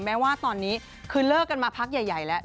แม้ว่าตอนนี้คือเลิกกันมาพักใหญ่แล้ว